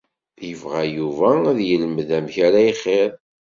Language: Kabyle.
Yebɣa Yuba ad yelmed amek ara ixiḍ.